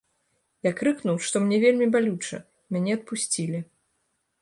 Я крыкнуў, што мне вельмі балюча, мяне адпусцілі.